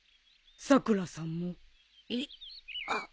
さくらさんも？えっ？